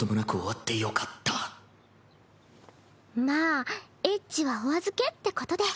まあエッチはお預けってことで。